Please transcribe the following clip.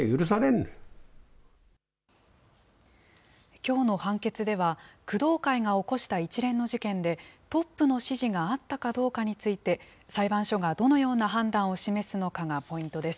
きょうの判決では、工藤会が起こした一連の事件で、トップの指示があったかどうかについて、裁判所がどのような判断を示すのかがポイントです。